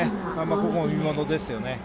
ここも見ものですね。